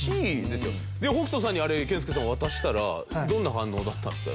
北斗さんにあれ健介さん渡したらどんな反応だったんですか？